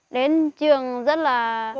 đến trường rất là